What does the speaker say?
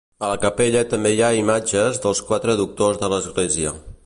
A la capella també hi ha imatges dels quatre doctors de l'Església.